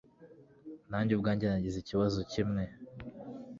Nanjye ubwanjye nagize ikibazo kimwe.